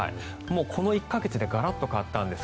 この１か月でガラッと変わったんです。